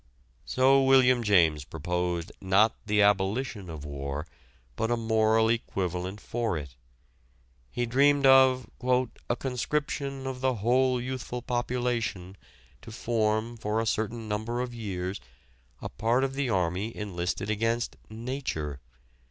So William James proposed not the abolition of war, but a moral equivalent for it. He dreamed of "a conscription of the whole youthful population to form for a certain number of years a part of the army enlisted against Nature....